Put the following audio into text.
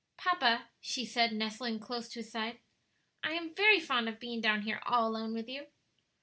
"Papa," she said, nestling close to his side, "I am very fond of being down here all alone with you."